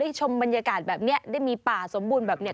ชมบรรยากาศแบบนี้ได้มีป่าสมบูรณ์แบบเนี้ย